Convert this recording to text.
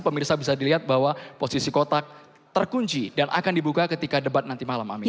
pemirsa bisa dilihat bahwa posisi kotak terkunci dan akan dibuka ketika debat nanti malam